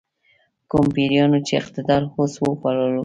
کومو پیریانو چې اقتدار هوس وپاللو.